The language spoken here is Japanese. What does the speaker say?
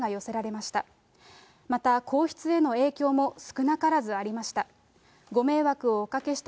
また、皇室への影響も少なからずありました。